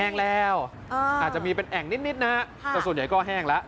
แล้วอาจจะมีเป็นแอ่งนิดนะแต่ส่วนใหญ่ก็แห้งแล้ว